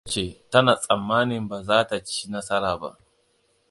Ladi ta ce tana tsammanin ba za ta ci nasara ba.